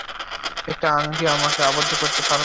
একটা আংটি আমাকে, আবদ্ধ করতে পারবে না।